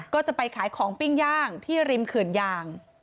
ก็จะไปขายของปิ้งย่างที่ริมเขื่อนยาง